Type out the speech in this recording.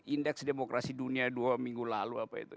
indeks demokrasi dunia dua minggu lalu apa itu